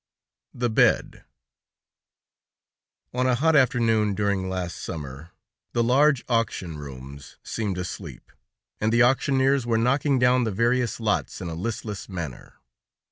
THE BED On a hot afternoon during last summer, the large auction rooms seemed asleep, and the auctioneers were knocking down the various lots in a listless manner.